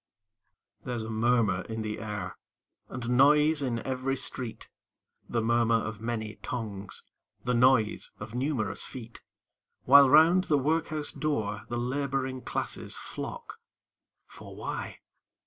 There's a murmur in the air, And noise in every street The murmur of many tongues, The noise of numerous feet While round the Workhouse door The Laboring Classes flock, For why?